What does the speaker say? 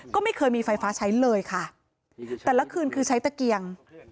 ก็ไม่เคยมีไฟฟ้าใช้เลยค่ะแต่ละคืนคือใช้ตะเกียง